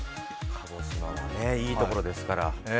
鹿児島もね、いいところですから。